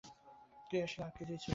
ক্রিয়াশীল আর কিছুই ছিল না।